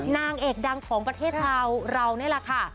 นางเอกดังของประเทศเราเนี่ยล่ะค่ะ